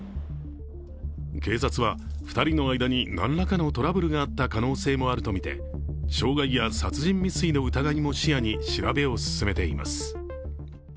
警察は、２人の間になんらかのトラブルがあった可能性もあるとみて傷害や殺人未遂の疑いも視野に調べを進めています。